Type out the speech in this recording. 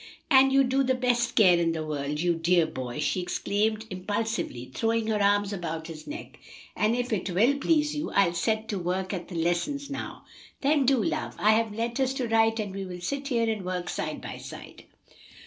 "And you do, the best care in the world, you dear boy!" she exclaimed impulsively, throwing her arms about his neck. "And if it will please you, I'll set to work at the lessons now." "Then do, love; I have letters to write, and we will sit here and work side by side."